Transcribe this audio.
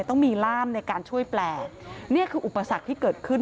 ต้องมีร่ามในการช่วยแปลนี่คืออุปสรรคที่เกิดขึ้น